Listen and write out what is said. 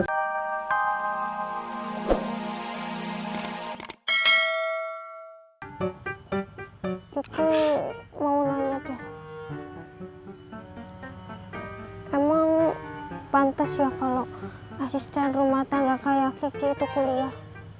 emang pantas ya kalau asisten rumah tangga kayak kiki itu kuliah